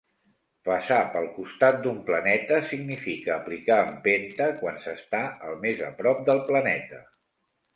Passar pel costat d'un planeta significa aplicar empenta quan s'està el més a prop del planeta.